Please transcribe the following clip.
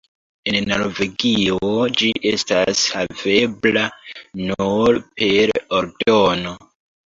En Norvegio ĝi estas havebla nur per ordono.